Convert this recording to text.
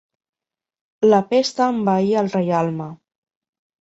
La pesta envaí el reialme.